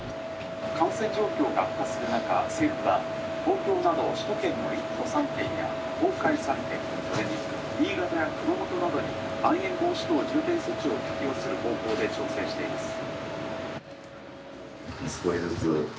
「感染状況が悪化する中政府は東京など首都圏の１都３県や東海３県それに新潟や熊本などにまん延防止等重点措置を適用する方向で調整しています」。